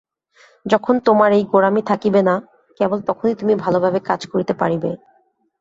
যখন তোমার এই গোঁড়ামি থাকিবে না, কেবল তখনই তুমি ভালভাবে কাজ করিতে পারিবে।